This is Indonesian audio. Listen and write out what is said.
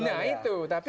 nah itu tapi